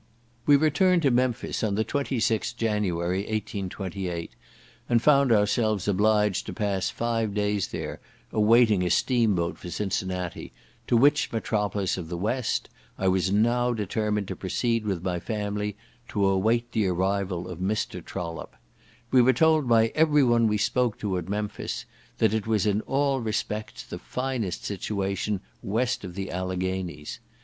We returned to Memphis on the 26th January, 1828, and found ourselves obliged to pass five days there, awaiting a steam boat for Cincinnati, to which metropolis of the west, I was now determined to proceed with my family to await the arrival of Mr. Trollope. We were told by everyone we spoke to at Memphis, that it was in all respects the finest situation west of the Alleghanies.